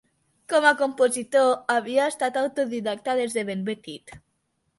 Com a compositor, havia estat autodidacta des de ben petit.